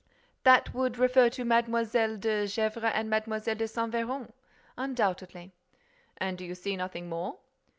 "That would refer to Mlle. de Gesvres and Mlle. de Saint Véran." "Undoubtedly." "And do you see nothing more?"